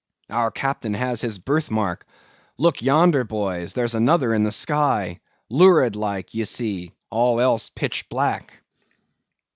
Our captain has his birthmark; look yonder, boys, there's another in the sky—lurid like, ye see, all else pitch black.